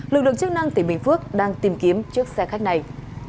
lực lượng chức năng tỉnh bình phước đang tìm kiếm chiếc xe khách này